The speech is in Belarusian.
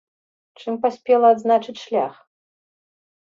Чым паспела адзначыць шлях?